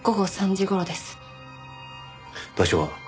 場所は？